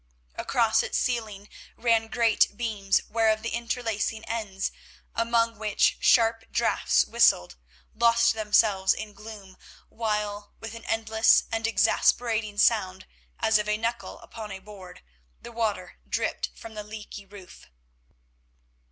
Across its ceiling ran great beams, whereof the interlacing ends, among which sharp draughts whistled, lost themselves in gloom, while, with an endless and exasperating sound, as of a knuckle upon a board, the water dripped from the leaky roof.